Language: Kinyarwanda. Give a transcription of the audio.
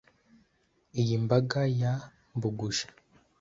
Iyi mbaga ya Mbuguje,